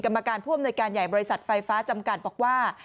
กรรมการผู้อำนวยการใหญ่บริษัทไฟฟ้าจำกัดบอกว่า